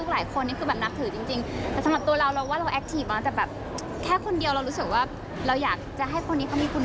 ให้ผ่านช่วงเหนื่อยด้วยก่อน